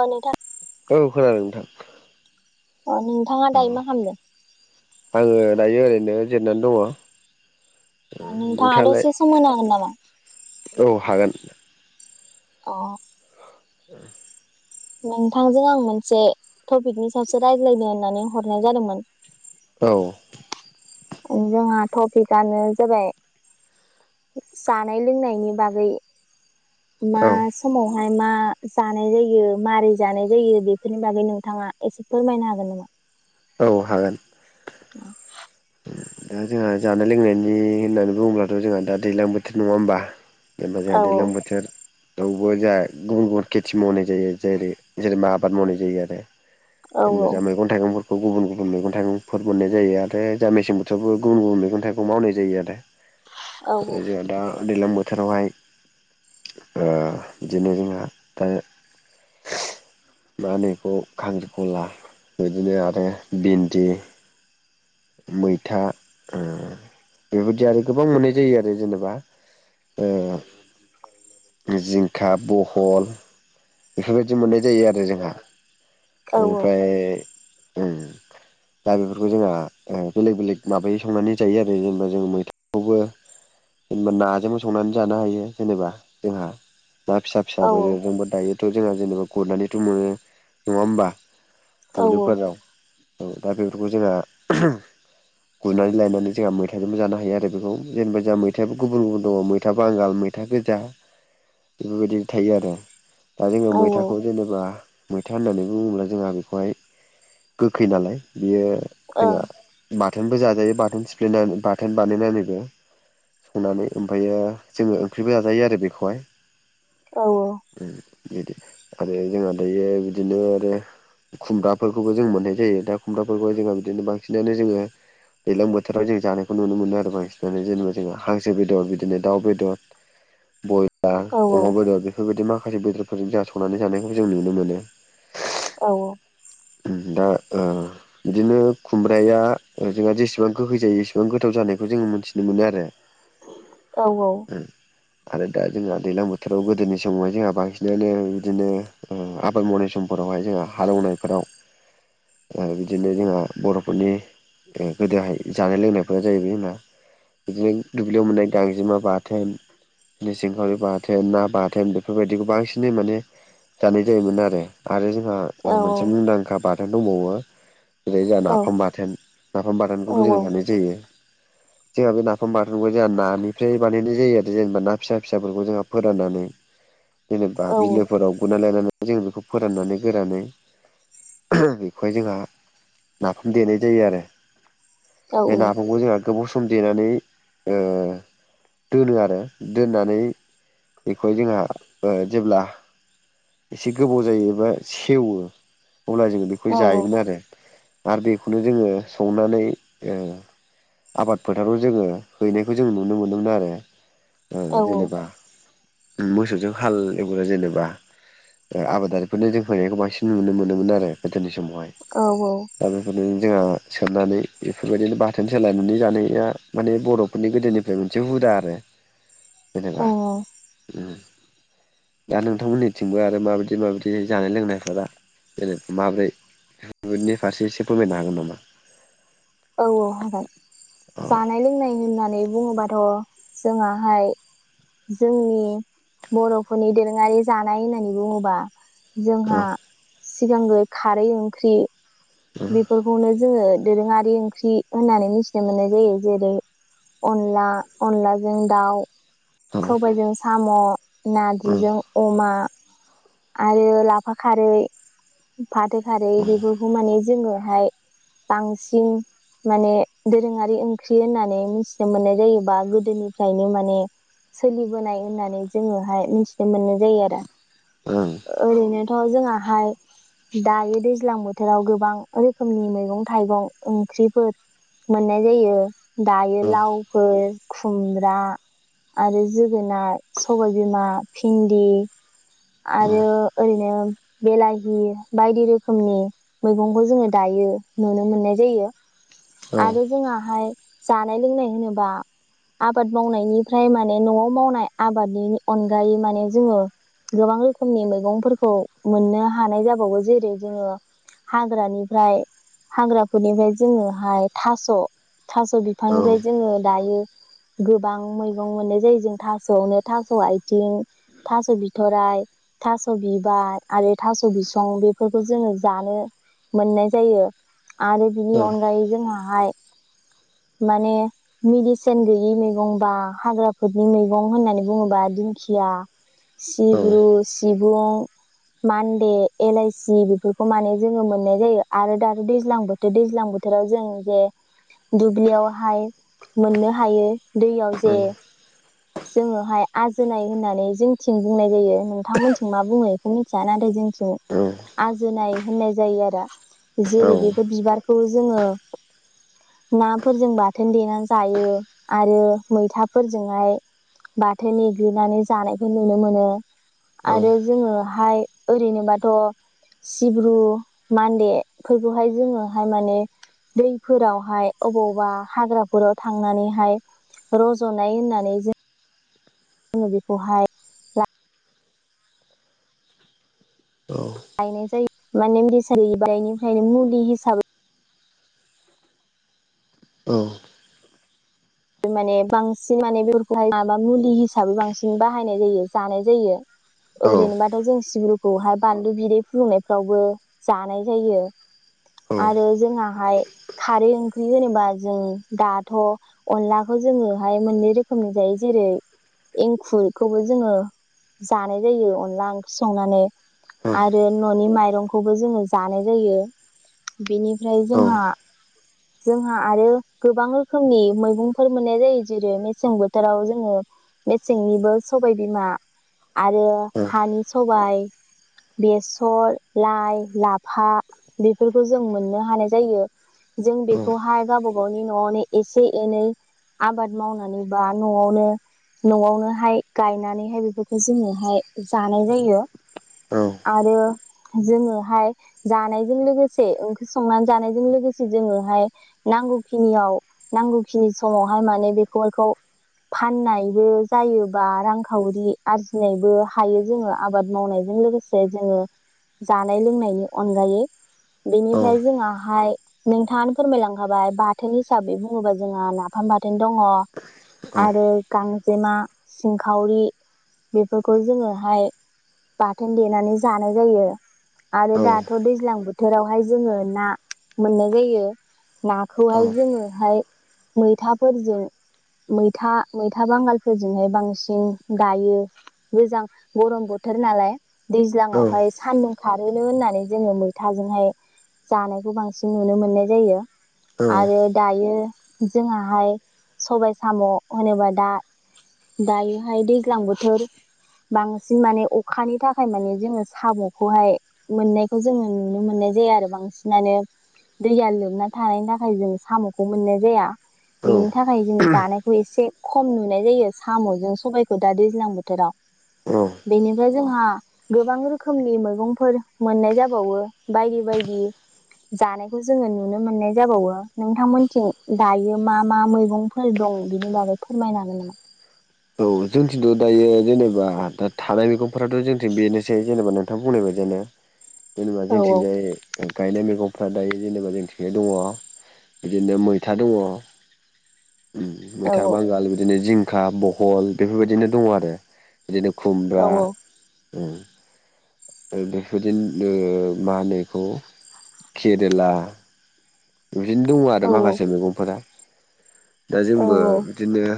औ नोंथां औ खोनादों नोंथां। ओ नोंथाङा औ दायो मा खालामदों? आङो दायो ओरैनो जिरनानै दङ। नोंथाङा नोंथाङालाय दसे सम होनो हागोन नामा? औ हागोन। अ' ओ नोंथांजों आं मोनसे टपिकनि सायावसो रायज्लायदों होननानै हरनाय जादोंमोन। औ जोंहा टपिकआनो जाबाय जानाय लोंनायनि बागै मा औ समावहाय मा जानाय जायो मारै जानाय जायो बेफोरनि बागै नोंथाङा एसे फोरमायनो हागोन नामा? औ हागोन। [inaudible] दा जोंहा जानाय लोंनायनि होननानै बुङोब्लाथ' जोंहा दा दैज्लां बोथोर नङा होमबा? जेनेबा जोंहा औ दैज्लां बोथोर दावबो जोंहा गुबुन गुबुन खेथि मावनाय जायो। जेरै जेनेबा आबाद मावनाय जायो आरो। औ जेनेबा जा मैगं थाइगंफोरखौ गुबुन गुबुन मैगं थाइगंफोर मोननाय जायो। आरो जा मेसें बोथोरावबो गुबुन गुबुन मैगं थाइखौ मावनाय जायो आरो। औ ओ जोंहा दा दैलां बोथोरावहाय ओ दिनै जोंहा दा मा होनो बिखौ खांख्रि खला बिदिनो आरो भिन्दि मैथा ओ बे बायदि आरो गोबां मोननाय जायो आरो। जेनेबा ओ जिंखा, बहल बेफोरबायदि मोननाय जायो आरो जोंहा। औ ओमफ्राय उम दा बेफोरखौ जोंहा ओ बेलेग बेलेग माबायै संनानै जायो आरो‌। जेनेबा जों मैथाखौबो जेनेबा नाजोंबो संनानै जानो हायो जेनेबा जोंहा। ना फिसा औ फिसाबो जोंबो दायोथ' जोंहा जेनेबा गुरनानैथ' मोनो नङा होमबा? औ दुब्लिफोराव औ दा बेफोरखौ जोंहा गुरनानै लायनानै जोंहा मैथाजबो जानो हायो आरो। बेखौ जेनेबा जहा मैथाबो गुबुन गुबुन दङ। मैथा बांगाल मै था गोजा बेफोरबायदि थायो आरो। दा जोङो औ मैथाखौ जेनेबा मैथा होननानै बुङोब्ला जोंहा बेखौहाय गोखै नालाय बियो औ जोंहा बाथोनबो जाजायो। बाथोन सिफ्लेनानै बाथोन बानायनानैबो संनानै ओमफायो जोङो ओंख्रिबो जाजायो आरो बेखौहाय। औ औ उम बेबादि आरो जोंहा दायो बिदिनो आरो खुमब्राफोरखौबो जों मोननाय जायो। दा खुमब्राफोरखौ जोंहा बिदिनो बांसिनानो जोङो दैलां बोथोराव जों जानायखौ नुनो मोनो आरो बांसिनानो। जेनेबा जोंहा हांसो बेदर बिदिनो दाउ बेदर बयलार, औ अमा बेदर बेफोरबायदि माखासे बेदरफोरजों जोंहा संनानै जानायखौबो जों नुनो मोनो। औ औ उम दा ओ बिदिनो खुमब्राया ओ जोंहा जेसेबां गोखै जायो एसेबां गोथाव जानायखौ जोङो मोनथिनो मोनो आरो। औ औ उम आरो दा जोंहा दैलां बोथोराव गोदोनि समावहाय जोंहा बांसिनानो बिदिनो ओ आबाद मावनाय समफोरावहाय जोंहा हालेवनायफोराव ओ बिदिनो जोंहा बर'फोरनि ओ गोदोहाय जानाय लोंनायफोरा जाहैबाय जोंना बिदिनो दुब्लियाव मोननाय गांजेमा बाथोन। मिसिंखावरि बाथोन, ना बाथोन बेफोरबायदिखौ बांसिनै माने जानाय जायोमोन आरो। आरो जोंहा ओ मोनसे मुंदांखा बाथोन दंबावो। जेरै जोंहा नाफाम बाथोन, नाफाम औ बाथोनखौबो जों जानाय जायो। जोंहा बे नाफाम बाथोनखौ जोंहा नानिफ्राय बानायनाय जायो आरो। जेनेबा ना फिसा फिसाफोरखौ जोंहा फोराननानै। जेनेबा औ बिलोफोराव गुरना लायनानै जों बेखौ फोराननानै गोरानै बेखौहाय जोंहा नाफाम देनाय जायो आरो औ बे नाफामखौ जोंहा गोबाव सम देनानै ओ दोनो आरो दोननानै बेखौहाय जोंहा ओ जेब्ला एसे गोबाव जायोबा सेवो अब्ला जोङो बेखौ जायोमोन आरो आरो बेखौनो जोङो संनानै ओ आबाद फोथाराव जोङो हैनायखौ जों नुनो मोनोमोन आरो। औ ओ जेनेबा उम मोसौजों हाल एवग्रा जेनेबा ओ आबादारिफोरनो जों फैनायखौ बांसिन नुनो मोनोमोन आर रो गोदोनि समावहाय। औ औ दा बेफोरनो जोंहा सोननानै बेफोरबायदिनो बाथोन सोलायनानै जानाया माने बर बे गोदोनिफ्राय मोनसे हुदा आरो औ जेनेबा दा नोंथांमोननिथिंबो आरो माबायदि माबायदि जानाय लोंनायफोरा जेनेबा माब्रै बेनि फारसे एसे फोरमायनो हागोन नामा? औ औ हागोन औ जानाय लोंनाय होननानै बुङोबाथ' जोंहाहाय जोंनि बर'फोरनि दोरोङारि जानाय होननानै बुङोबा औ जोंहा सिगांग्रो खारै ओंख्रि बेफोरखौनो जोङो दोरोङारि ओंख्रि होननानै मिथिनो मोननाय जायो जेरै - अनला अनलाजों दाउ औ सबाइजों साम' औ नारजिजों अमा आरो लाफा खारै फाथो खारै औ बेफोरखौ माने जोङो हाय बांसिन माने दोरोङारि ओंख्रि होननानै मिथिनो मोननाय जायोबा गोदोनिफ्रायनो माने सोलिबोनाय होननानै जोङोहाय मिथिनो मोननाय जायो आरो उम ओरैनोथ' जोंहाहाय दायो दैज्लां बोथोराव गोबां रोखोमनि मैगं थाइगं ओंख्रिफोर मोननाय जायो दायो लाउफोर खुमब्रा आरो जोगोनार सबाइबिमा भिन्दि आरो ओरैनो बिलाहि बायदि रोखोमनि मैगंखौ जोङो दायो नुनो मोननाय जायो आरो जोंहाहाय जानाय लोंनाय होनोब्ला आबाद मावनायनिफ्राय माने न'आव मावनाय आबादनि अनगायै माने जोङो गोबां रोखोमनि मैगंफोरखौ मोननो हानाय जाबावो जेरै जोङो हाग्रानिफ्राय हाग्राफोरनिफ्राय जोङोहाय थास' थास' बि फांनिफ्राय जोंङो दायो। गोबां मैगं मोननाय जायो जों थास'आवनो थास' आथिं थास' बिथ'राइ थास' बिबार आरो थास' बिसं बेफोरखौ जोङो जानो मोननाय जायो आरो बिनि अनगायै जोंहाहाय माने मेदिसिन गैयि मैगं बा हाग्राफोरनि मैगं होननानै बुङोबा दिंखिया सिब्रु सिबुं मान्दे, एलाइसि बेफोरखौ माने जोङो मोननाय जायो आरो दाथ' दैज्लां बो थोर दैज्लां बोथोराव जों जे दुब्लियावहाय मोननो हायो दैयाव जे जोङोहाय आजोननाय होननानै जोंनिथिं बुंनाय जायो। नोंथांमोनथिं मा बुङो बेखौ मिथिया नाथाय जोंनिथिं आजोनाय होननाय जायो आरो जेरै बेफोर बिबारखौ जोङो नाफोरजों बाथोन देनानै जायो आरो मैथाफोरजोंहाय बाथोन देग्लिनानै जानायखौ नुनो मोनो आरो जोङोहाय ओरैनोबाथ' सिब्रु मान्देफोरखौहाय जोङोहाय माने दैफोरावहाय अबावबा हाग्राफोराव थांनानैहाय रज'नाय होननानै जों जोङो बेखौहाय औ बायनाय जायो माने [unintelligible] मुलि हिसाबै औ माने बांसिन माने बेफोरखौहाय माबा मुलि हिसाबै बांसिन बाहायनाय जायो जानाय जायो। ओरैनोबाथ' जों सिब्रुखौहाय बानलु बिदै फुदुंनायफ्रावबो जानाय जायो। आरो जोंहाहाय खारै ओंख्रि होनोबा जों दाथ' अनलाखौ जोङोहाय मोननै रोखोमनि जायो जेरै एंखुरखौबो जोङो जानाय जायो अनला ओंख्रि संनानै आरो न'नि माइरंखौबो जोङो जानाय जायो बेनिफ्राय जोंहा-जोंहा आरो गोबां रोखोमनि मैं मुंफोर मोननाय जायो जेरै मेसें बोथोराव जोङो मेसेंनिबो सबायबिमा आरो हानि सबाय बेसर लाइ लाफा बेफोरखौ जों मोननो हानाय जायो जों बेखौहाय गावबा गावनि न'आवनो एसे एनै आबाद मावनानैबा न'आवनो न'आवनोहाय गायनानैहाय बेफोरखौ जोङोहाय जानाय जायो औ आरो जोङोहाय जानायजों लोगोसे ओंख्रि संनानै जानायजों लोगोसे जोङोहाय नांगौखिनियाव नांगौखिनि समावहाय माने बेफोरखौ फाननायबो जायोबा रांखावरि आरजिनायबो हायो जोङो आबाद मावनायजों लोगोसे जे जोङो जानाय लोंनायनि अनगायै बेनिफ्राय जोंङाहाय नोंथाङानो फोरमायलांखाबाय बाथोन हिसाबै बुङोबा जोंहा ना अम बाथोन दंङ आरो गांजेमा सिंखावरि बेफोरखौ जोङोहाय बाथोन देनानै जानाय जायो आरो दाथ' दैज्लां बोथोरावहाय जोङो ना मोननाय जायो ना खौहाय जोङोहाय मैथाफोरजों मैथा-मैथा बांगालफोरजोंहाय बांसिन गायो गोजां गरम बोथोर नालाय दैज्लां आवहाय सान्दुं खारोनो होननानै जोङो मैथाजोंहाय जानायखौ बांसिन नुनो मोननाय जायो आरो दायो जोंङाहाय सबाय साम' होनोबा दा दायोहाय दैज्लां बोथोर बांसिन माने अखानि थाखाय माने जोङो साम'खौहाय मोननायखौ जोङो नुनो मोननाय जाया आरो बांसिनानो दैया लोबाथाय नाथाय जों साम'खौ मोननाय जाया बेनि था खायनो जानायखौ एसे खम नुनाय जायो साम'जों सबायाइखौ दा दैज्लां बोथोराव बेनिफ्राय जोंहा गोबां रोखोमनि मैगंफोर मोननाय जाबावो बायदि-बायदि जानायखौ जोङो नुनो मोननाय जाबावो नोंथांमोनथिं हायो मा-मा मैगंफोर दं बिनि बागै फोरमायनो हागोन नामा औ जोंथिंथ' दायो जेनेबा दा थानाय मैगंफोराथ' जोंथिं बेनोसै जेनेबा नोंथां बुंनाय बायदिनो जेनेबा औ जोंथिंजाय गायनाय मैगंफ्रा दायो जेनेबा जोंथिंहाय दङ बिदिनो मैथा दङ औ मैथा बांगाल बिदिनो जिंखा बहल बेफोरबायदिनो दङ आरो बिदिनो औ खुमब्रा ओ ओ बेफोरदि ओ मा होनो एखौ केरेला बिदिनो दङ आरो माखासे औ मैगंफोरा। दा औ जोंबो बिदिनो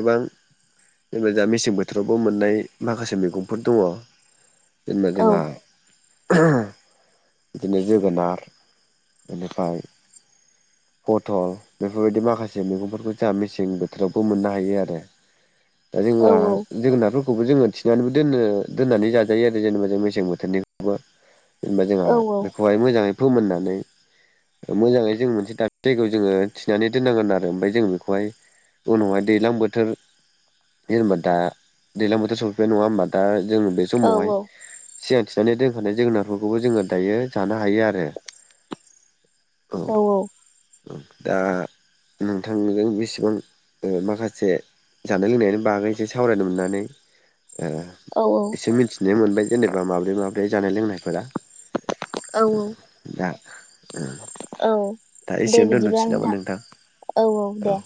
गोबां जेनेबा दा मेसें बोथोरावबो मोननाय माखासे मैगंफोर दङ। जेनेबा औ जोंहा ओ बिदिनो जोगोनार बेनिफ्राय पथल बेफोरबायदि माखासे मैगंफोरखौ जोंहा मेसें बोथोरावबो मोननो हायो आरो दा औ जोंहा जोंनाथ खौबो जोङो थिनानै दोनो दोननानै जाजायो आरो जेनेबा जों मेसें बोथोरनिखौबो जेनबा जोंहा औ बेखौहाय मोजाङै फोमोननानै मोजाङै जों मोनसे दाबसे जायगायाव जोङो थिनानै दोननांगोन आरो ओमफ्राय जोंङो बेखौहाय उनावहाय दैज्लां बोथोर जेनेबा दा दैज्लां बोथोर सफैनाय नङा होमबा दा जोङो बे समावहाय सिगां थिनानै दोनखानाय जोगोनारफोरखौबो जोङो दायो जानो हायो आरो औ औ ओ दा नोंथांजों बेसेबां ओ माखासे जानाय लोंनायानो बागै एसे सावरायनो मोननानै ओ औ औ। एसे मिन्थिनाय मोनबाय जेनेबा माब्रै माब्रै जानाय लोंनायफोरा। औ उम दा उम औ दे बिदिब्ला नोंथां। औ औ दे।